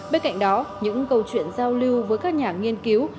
bên cạnh đó những câu chuyện giao lưu với các nhà nghiên cứu